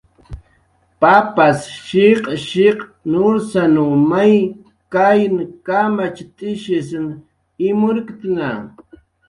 Papas shiq'shiq' nursanw may kayn kamacht'isn imurktna.